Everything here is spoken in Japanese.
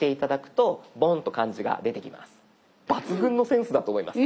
抜群のセンスだと思います。